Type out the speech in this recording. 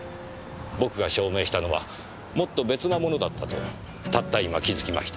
僕が証明したのはもっと別なものだったとたった今気づきました。